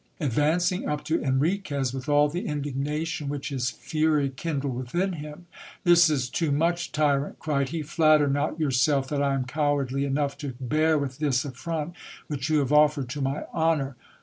Advancing up to Enriquez with all the indignation which his fury kindled within him : This is too much, tyrant, cried he ; flatter not yourself that I am cowardly enough to bear with this affront, which you have offered to my honour.